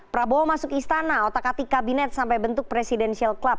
prabowo masuk istana otak atik kabinet sampai bentuk presidential club